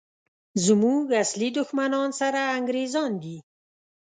زموږ اصلي دښمنان سره انګریزان دي!